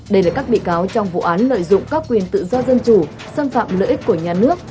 đây là các bị cáo trong vụ án lợi dụng các quyền tự do dân chủ xâm phạm lợi ích của nhà nước